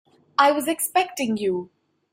I was expecting you.